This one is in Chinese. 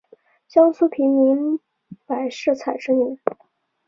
江苏平民柏士彩之女。